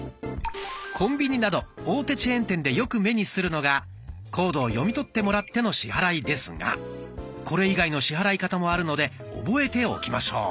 コンビニなど大手チェーン店でよく目にするのがコードを読み取ってもらっての支払いですがこれ以外の支払い方もあるので覚えておきましょう。